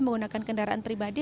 menggunakan kendaraan pribadi